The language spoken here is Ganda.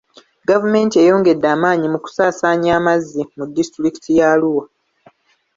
Gavumenti eyongedde amaanyi mu kusaasaanya amazzi mu disitulikiti ya Arua.